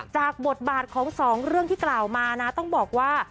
บทบาทของสองเรื่องที่กล่าวมานะต้องบอกว่า